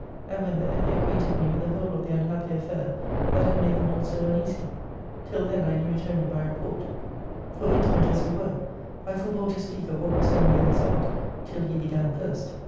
And when there, he acquainted me with the whole of the unhappy affair that had made them all so uneasy. Till then I knew it only by report; for, intimate as we were, I forbore to speak of what was so near his heart, till he began first.